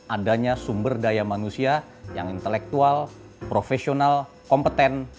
adanya sumber daya manusia yang intelektual profesional kompeten